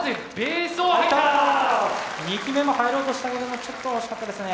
２機目も入ろうとしたもののちょっと惜しかったですね。